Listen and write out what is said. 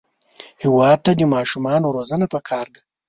هېواد ته د ماشومانو روزنه پکار ده